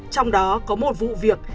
trong đó có một vụ việc